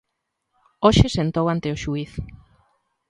Hoxe sentou ante o xuíz.